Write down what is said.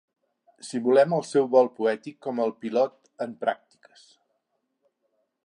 Simulem el seu vol poètic com el pilot en pràctiques.